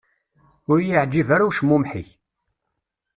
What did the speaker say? Ur i-yeεǧib ara ucmumeḥ-ik.